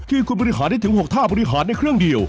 ที่คุณบริหารได้ถึง๖ท่าบริหารในเครื่องเดียว